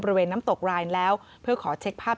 บริเวณน้ำตกรายแล้วเพื่อขอเช็กภาพ